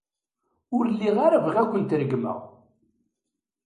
Ur lliɣ ara bɣiɣ ad kent-regmeɣ.